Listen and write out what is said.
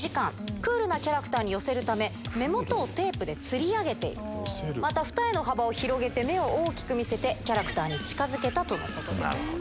クールなキャラクターに寄せるため、目元をテープでつり上げて、またふたえの幅を広げて、目を大きく見せて、キャラクターに近づなるほど。